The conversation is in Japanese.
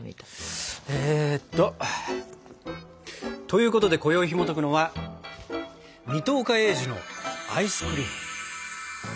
えっと。ということでこよいひもとくのは「水戸岡鋭治のアイスクリーム」。